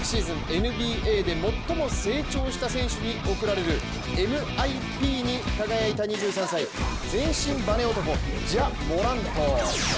ＮＢＡで最も成長した選手に贈られるＭＩＰに輝いた２３歳全身バネ男、ジャ・モラント。